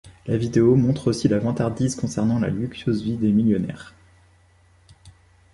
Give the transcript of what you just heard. La vidéo montre aussi la vantardise concernant la luxueuse vie des millionnaires.